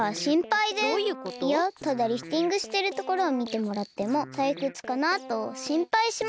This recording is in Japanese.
いやただリフティングしてるところをみてもらってもたいくつかなとしんぱいしまして。